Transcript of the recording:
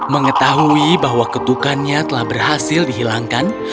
mengetahui bahwa ketukannya telah berhasil dihilangkan